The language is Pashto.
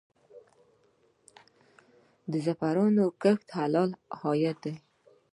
د زعفرانو کښت حلال عاید دی؟